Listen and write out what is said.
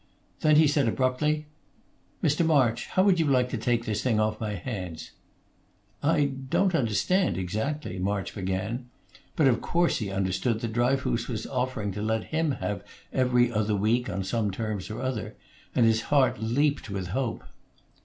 Then he said, abruptly, "Mr. March, how would you like to take this thing off my hands?" "I don't understand, exactly," March began; but of course he understood that Dryfoos was offering to let him have 'Every Other Week' on some terms or other, and his heart leaped with hope.